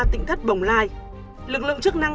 tỉnh thất bồng lai lực lượng chức năng